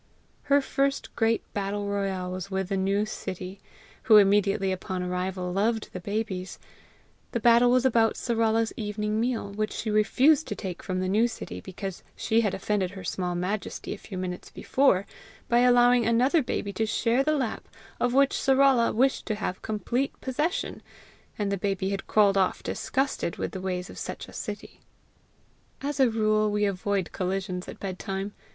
Her first great battle royal was with the new Sittie,[B] who immediately upon arrival loved the babies. The battle was about Sarala's evening meal, which she refused to take from the new Sittie because she had offended her small majesty a few minutes before by allowing another baby to share the lap of which Sarala wished to have complete possession; and the baby had crawled off disgusted with the ways of such a Sittie. As a rule we avoid collisions at bedtime.